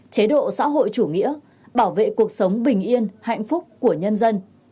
chế độ xã hội chủ nghĩa bảo vệ cuộc sống bình yên hạnh phúc của nhân dân